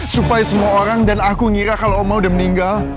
supaya semua orang dan aku ngira kalau oma udah meninggal